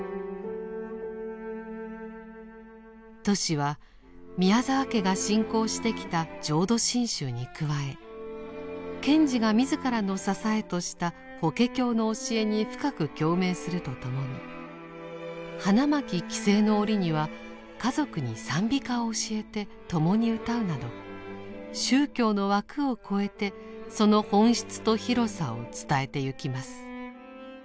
トシは宮沢家が信仰してきた浄土真宗に加え賢治が自らの支えとした「法華経」の教えに深く共鳴するとともに花巻帰省の折には家族に賛美歌を教えて共に歌うなど宗教の枠を超えてその本質と広さを伝えてゆきます。